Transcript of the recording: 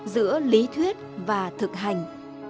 giữa lý thuyết và thực hành